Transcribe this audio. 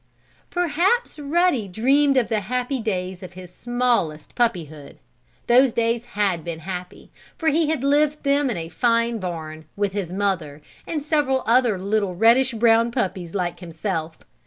Perhaps Ruddy dreamed of the happy days of his smallest puppyhood. Those days had been happy, for he had lived them in a fine barn, with his mother, and several other little reddish brown puppies like himself.